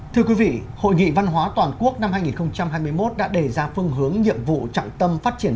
thưa quý vị hội nghị văn hóa toàn quốc năm hai nghìn hai mươi một đã đề ra phương hướng nhiệm vụ trọng tâm phát triển